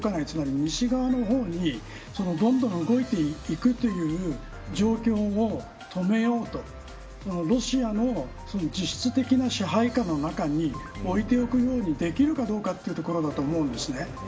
つまり西側の方にどんどん動いていくという状況を止めようとロシアの実質的な支配下の中においておくようにできるかどうかというところだと思うんです。